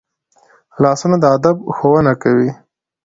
لاسونه د ادب ښوونه کوي